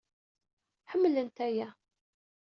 Ḥemmlent aya.